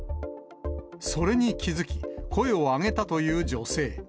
それに気付き、声を上げたという女性。